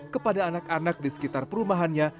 kepada anak anak di sekitar perumahannya